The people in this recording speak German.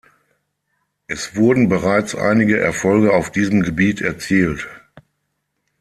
Es wurden bereits einige Erfolge auf diesem Gebiet erzielt.